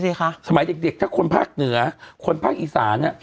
สมัยเด็กถ้าคนภาคเหนือคนภาคอีสานอ่ะ